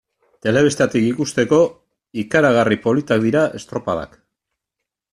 Telebistatik ikusteko, ikaragarri politak dira estropadak.